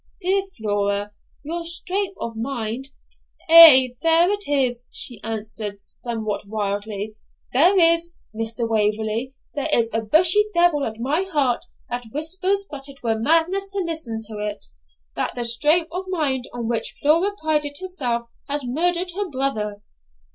'Dear Flora, if your strength of mind ' 'Ay, there it is,' she answered, somewhat wildly; 'there is, Mr. Waverley, there is a busy devil at my heart that whispers but it were madness to listen to it that the strength of mind on which Flora prided herself has murdered her brother!'